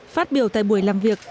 phát biểu tại buổi làm việc